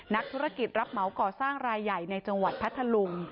นักธุรกิจรับเหมาก่อสร้างรายใหญ่ในจังหวัดพัทธลุง